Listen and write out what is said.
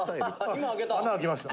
「今開けた」